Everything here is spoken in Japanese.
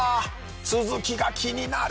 続きが気になる！